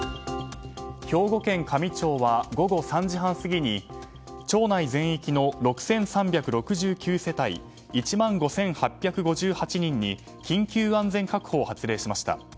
兵庫県香美町は午後３時半過ぎに町内全域の６３６９世帯１万５８５８人に緊急安全確保を発令しました。